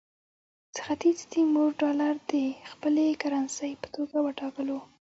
ختیځ تیمور ډالر د خپلې کرنسۍ په توګه وټاکلو.